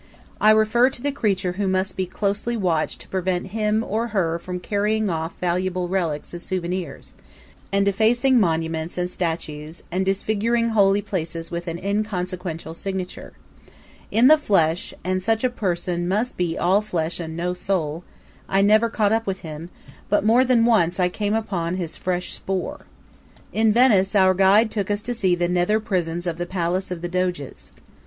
I refer to the creature who must be closely watched to prevent him, or her, from carrying off valuable relics as souvenirs, and defacing monuments and statues and disfiguring holy places with an inconsequential signature. In the flesh and such a person must be all flesh and no soul I never caught up with him, but more than once I came upon his fresh spoor. In Venice our guide took us to see the nether prisons of the Palace of the Doges.